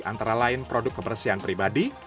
antara lain produk kebersihan pribadi